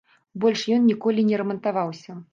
Больш ён ніколі не рамантаваўся.